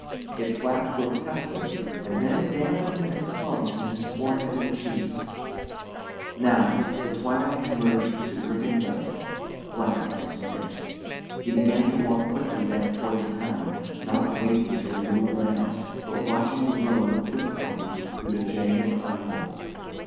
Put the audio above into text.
It flapped grotesquely and then dampened and clung clung to his forehead and cheeks. Now ... The twilight had merged to dripping dusk ... black as pitch. He began to walk quickly back toward town, not waiting to remove the mask but watching the road with difficulty through the jagged eye holes.